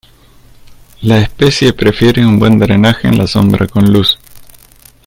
La especie prefiere un buen drenaje en la sombra con luz.